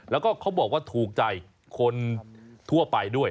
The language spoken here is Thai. แล้วก็เขาบอกว่าถูกใจคนทั่วไปด้วย